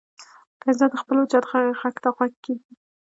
که انسان د خپل وجدان غږ ته غوږ کېږدي.